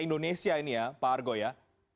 indonesia ini ya pak argo ya